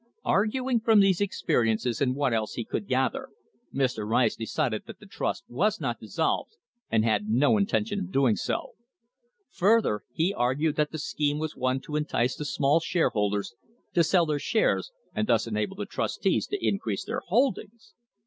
* Arguing from these experiences and what else he could gather, Mr. Rice decided that the trust was not dissolved and had no intention of doing so. Furthermore, he argued that the scheme was one to entice the small shareholders to sell their shares and thus enable the trustees to increase their holdings!